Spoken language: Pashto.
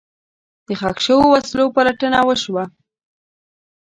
د ښخ شوو وسلو پلټنه وشوه.